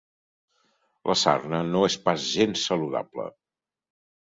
La sarna no és pas gens saludable.